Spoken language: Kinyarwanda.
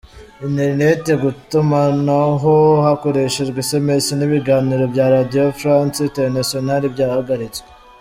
Interineti, gutomanaho hakoreshejwe sms n'ibiganiro bya Radio France Internationale byahagaritswe.